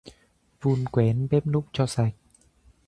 Vun quén bếp núc cho sạch